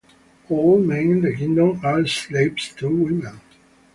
All men in the kingdom are slaves to women.